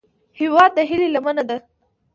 هیواد د هیلې لمنه ده